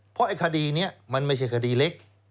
เพราะไอ้คดีนี้มันไม่ใช่คดีเล็ก